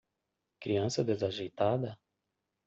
Criança desajeitada?